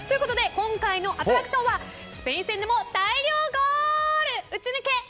今回のアトラクションはスペイン戦でも大量ゴール撃ち抜け！